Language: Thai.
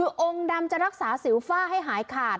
คือองค์ดำจะรักษาสิวฝ้าให้หายขาด